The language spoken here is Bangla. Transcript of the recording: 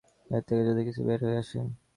এর থেকে যদি কিছু বের হয়ে আসে।